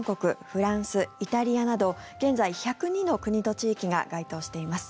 フランス、イタリアなど現在１０２の国と地域が該当しています。